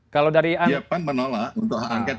ya pan menolak untuk hak angket